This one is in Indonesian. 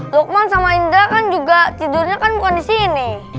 lukman sama indra kan juga tidurnya kan bukan di sini